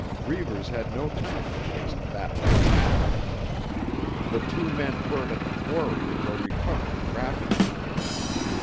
Reivers had no time to waste that way now. The two men hurt at the quarry were recovering rapidly.